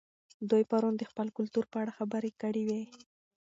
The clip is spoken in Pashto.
دوی پرون د خپل کلتور په اړه خبرې کړې وې.